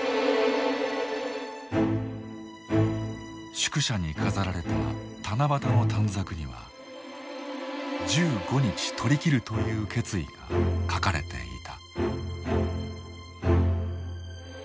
宿舎に飾られた七夕の短冊には「十五日取りきる」という決意が書かれていた。